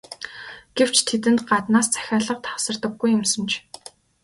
Гэвч тэдэнд гаднаас захиалга тасардаггүй юмсанж.